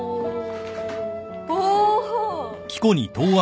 お！